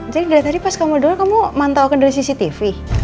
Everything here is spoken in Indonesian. jadi dari tadi pas kamu dulu kamu mantau aku dari cctv